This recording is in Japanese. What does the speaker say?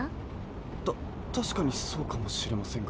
たったしかにそうかもしれませんが。